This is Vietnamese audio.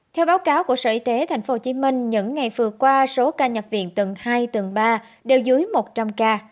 theo báo cáo của sở y tế tp hcm những ngày vừa qua số ca nhập viện tầng hai tầng ba đều dưới một trăm linh ca